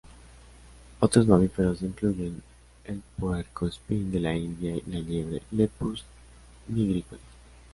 Otros mamíferos incluyen el puercoespín de la India y la liebre "Lepus nigricollis".